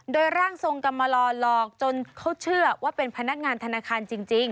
โดยร่างทรงกรรมลอหลอกจนเขาเชื่อว่าเป็นพนักงานธนาคารจริง